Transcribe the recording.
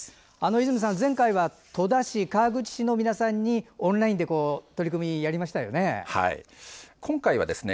泉さん前回は戸田市、川口市の皆さんにオンラインで取り組みをやりましたよね。